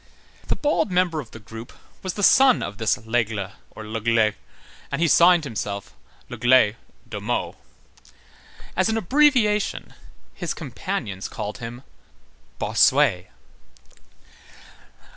The bald member of the group was the son of this Lesgle, or Légle, and he signed himself, Légle [de Meaux]. As an abbreviation, his companions called him Bossuet.